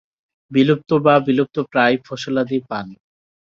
বিলুপ্ত বা বিলুপ্তপ্রায় ফসলাদি পান।